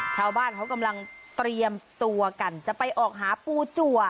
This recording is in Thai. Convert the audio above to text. ชาวบ้านเขากำลังเตรียมตัวกันจะไปออกหาปูจัว